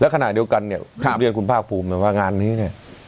แล้วขนาดเดียวกันเนี่ยคุณภาคภูมิว่างานนี้เนี่ย